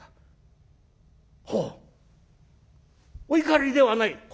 お怒りではない？」。